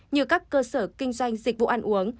như các cơ sở kinh doanh dịch vụ ăn uống